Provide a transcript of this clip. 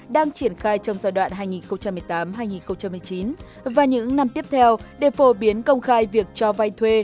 đang triển khai trong giai đoạn hai nghìn một mươi tám hai nghìn một mươi chín và những năm tiếp theo để phổ biến công khai việc cho vay thuê